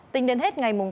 tính đến hết ngày mùng ba